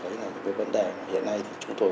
đấy là những cái vấn đề mà hiện nay thì chúng tôi